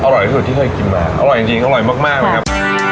อร่อยที่สุดที่เคยกินมาอร่อยจริงอร่อยมากนะครับ